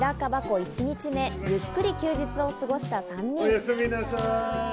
１日目、ゆっくり休日を過ごした３人。